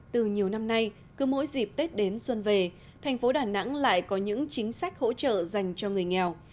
từ nhiều năm nay cứ mỗi dịp tết đến xuân về thành phố đà nẵng lại có những chính sách hỗ trợ dành cho người nghèo